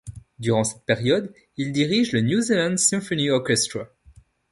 Durant cette période, il dirige le New Zealand Symphony Orchestra.